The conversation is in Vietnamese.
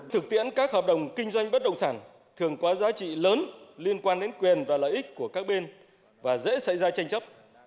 thực tiễn các hợp đồng kinh doanh bất động sản thường có giá trị lớn liên quan đến quyền và lợi ích của các bên và dễ xảy ra tranh chấp